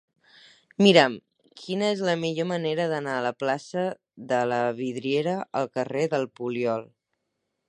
Mira'm quina és la millor manera d'anar de la plaça de la Vidriera al carrer del Poliol.